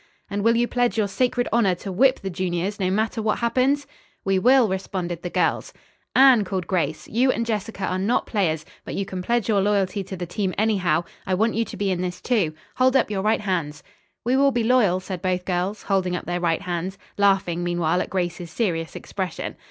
"And will you pledge your sacred honor to whip the juniors, no matter what happens!" "We will," responded the girls. "Anne!" called Grace. "You and Jessica are not players, but you can pledge your loyalty to the team anyhow. I want you to be in this, too. Hold up your right hands." "We will be loyal," said both girls, holding up their right hands, laughing meanwhile at Grace's serious expression.